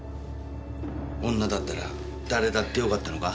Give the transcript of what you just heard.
女だったら誰だってよかったのか？